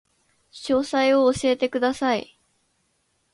詳細を教えてください